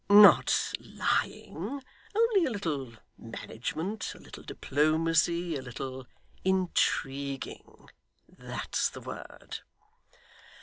'Not lying. Only a little management, a little diplomacy, a little intriguing, that's the word.